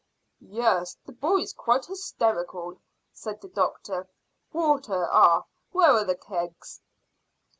"Yes, the boy's quite hysterical," said the doctor. "Water. Ah! Where are the kegs?"